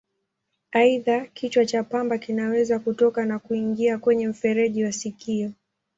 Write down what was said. Aidha, kichwa cha pamba kinaweza kutoka na kuingia kwenye mfereji wa sikio.